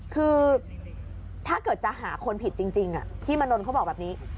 คือถ้าเกิดจะหาคนผิดจริงพี่มนนทเขาบอกแบบนี้